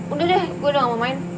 udah deh gue udah gak mau main